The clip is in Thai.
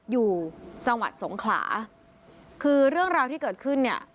อยู่จังหวัดสงขลาคือเรื่องราวที่เกิดขึ้นเนี่ย